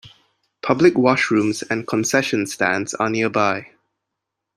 Public washrooms and concession stands are nearby.